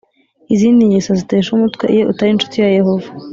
Izindi ngeso zitesha umutwe iyo utari incuti ya Yehova